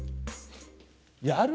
やる